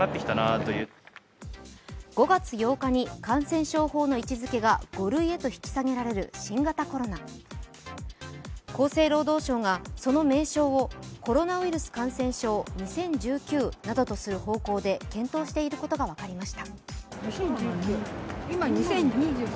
５月８日に感染症法の位置づけが５類へと引き下げられる新型コロナ厚生労働省がその名称をコロナウイルス感染症２０１９などとする方向で検討していることが分かりました。